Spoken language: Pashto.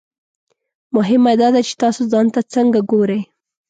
مهمه دا ده چې تاسو ځان ته څنګه ګورئ.